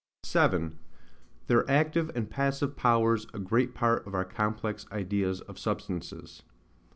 7. Their active and passive Powers a great part of our complex Ideas of Substances.